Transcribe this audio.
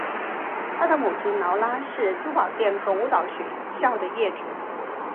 她的母亲劳拉是珠宝店和舞蹈学校的业主。